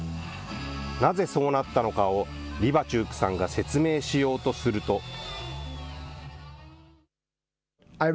なぜ、そうなったのかをリバチュークさんが説明しようとすると。